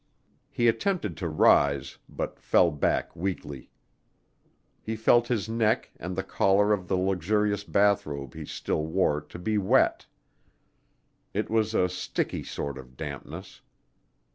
He attempted to rise, but fell back weakly. He felt his neck and the collar of the luxurious bath robe he still wore to be wet. It was a sticky sort of dampness.